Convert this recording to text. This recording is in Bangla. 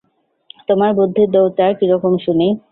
তোমার বুদ্ধির দৌড়টা কিরকম শুনি।